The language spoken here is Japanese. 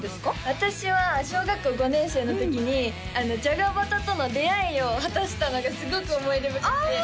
私は小学校５年生の時にじゃがバターとの出会いを果たしたのがすごく思い出深くてあ！